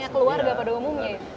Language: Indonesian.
selayaknya keluarga pada umumya ya